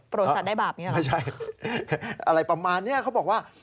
โปรสัตว์ได้บาปอย่างนี้หรอไม่ใช่อะไรประมาณนี้เขาบอกว่า